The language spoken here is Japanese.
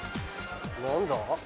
何だ？